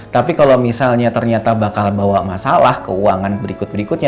tapi kalau misalnya ternyata bakal bawa masalah keuangan berikut berikutnya